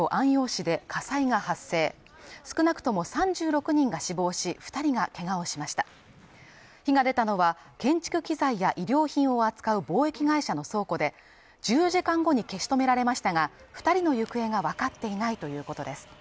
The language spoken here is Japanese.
市で火災が発生少なくとも３６人が死亡し二人がけがをしました火が出たのは建築機材や衣料品を扱う貿易会社の倉庫で１４時間後に消し止められましたが二人の行方が分かっていないということです